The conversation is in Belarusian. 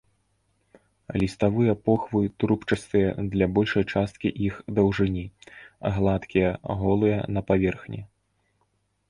Ліставыя похвы трубчастыя для большай часткі іх даўжыні, гладкія, голыя на паверхні.